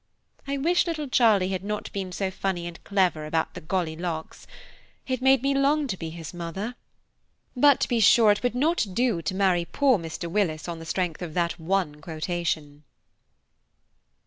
I wish little Charlie had not been so funny and clever about the 'golly locks,' it made me long to be his mother; but to be sure it would not do to marry poor Mr. Willis on the strength of that one quotation."